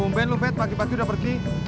tumben lu fet pagi pagi udah pergi